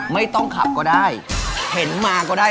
ไม่ได้เพราะว่า